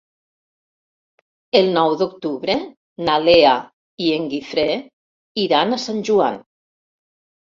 El nou d'octubre na Lea i en Guifré iran a Sant Joan.